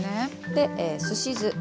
ですし酢。